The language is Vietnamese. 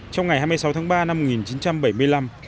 trong ngày hai mươi sáu tháng ba năm một nghìn chín trăm bảy mươi năm